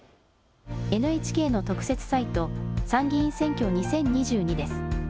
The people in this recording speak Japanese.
ＮＨＫの特設サイト、参議院選挙２０２２です。